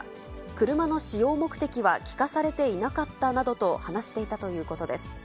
車の使用目的は聞かされていなかったなどと話していたということです。